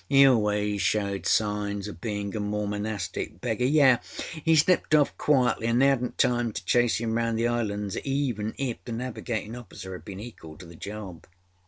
He always showed signs oâ beinâ a Mormonastic beggar. Yes, he slipped off quietly anâ they âadnât time to chase âim round the islands even if the navigatinâ officer âad been equal to the job.